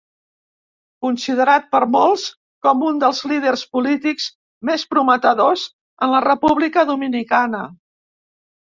Considerat per molts com un dels líders polítics més prometedors en la República Dominicana.